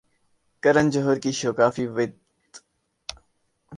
کرن جوہر کے شوکافی ود